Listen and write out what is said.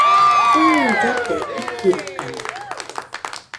Jɨ, llote ikɨrikana